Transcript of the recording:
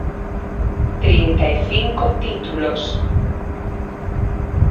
Trinta e cinco títulos.